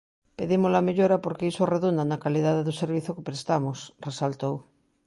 Pedimos a mellora porque iso redunda na calidade do servizo que prestamos, resaltou.